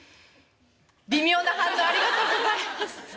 微妙な反応ありがとうございます。